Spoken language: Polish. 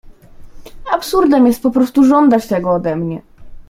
"Absurdem jest poprostu żądać tego ode mnie."